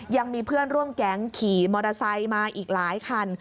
ยังมีเพื่อนร่วมแก๊งขี่มอเตอร์ไซค์มาอีกหลายคัน